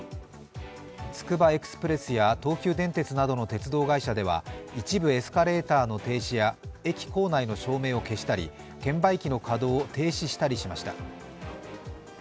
つくばエクスプレスや東急電鉄などの鉄道会社では、一部エスカレーターの停止や駅構内の照明を消したり、券売機の稼働を停止したりしました。